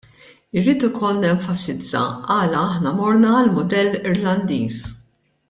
Irrid ukoll nenfasizza għala aħna morna għall-mudell Irlandiż.